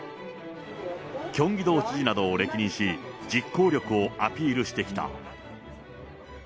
キョンギ道知事などを歴任し、実行力をアピールしてきた。